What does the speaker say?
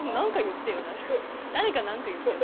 誰か何か言ってよ。